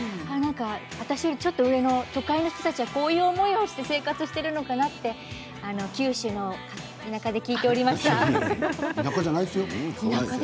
私、ちょっと上の都会の人たちはこういう思いをして生活をしているのかなって九州の田舎で聴いておりました。